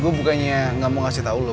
gue bukannya gak mau kasih tau lu